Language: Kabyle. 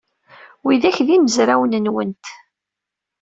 Widak d imezrawen-nwent?